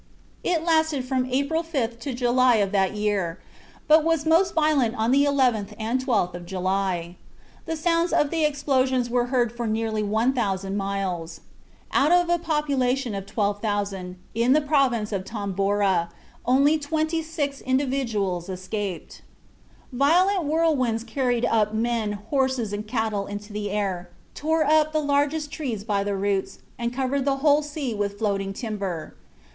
It lasted from April 5th to July of that year; but was most violent on the 11th and 12th of July. The sound of the explosions was heard for nearly one thousand miles. Out of a population of 12,000, in the province of Tombora, only twenty six individuals escaped. "Violent whirlwinds carried up men, horses, and cattle into the air, tore up the largest trees by the roots, and covered the whole sea with floating timber."